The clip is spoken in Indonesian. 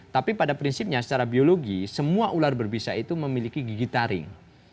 tapi pada prinsipnya secara biologi semua ular berbisa itu memiliki gigi taring